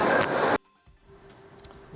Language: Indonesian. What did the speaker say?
ini sudah dua tahun